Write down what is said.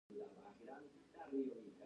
د فردوسي شاهنامه له عجایبو څخه ډکه ده.